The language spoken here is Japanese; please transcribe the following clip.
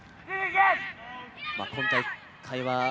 今大会は。